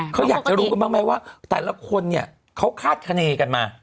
เขาอยากจะรู้กันบ้างไหมว่าแต่ละคนเนี่ยเขาคาดคณีกันมา